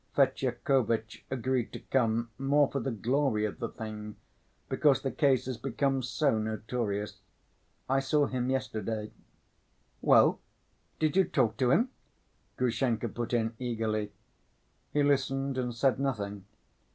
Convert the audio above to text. Fetyukovitch agreed to come more for the glory of the thing, because the case has become so notorious. I saw him yesterday." "Well? Did you talk to him?" Grushenka put in eagerly. "He listened and said nothing.